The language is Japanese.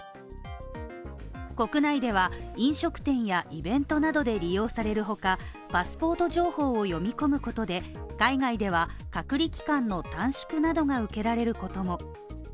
国内では、飲食店やイベントなどで利用されるほか、パスポート情報を読み込むことで、海外では隔離期間の短縮などが受けられることも。